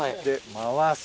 回す。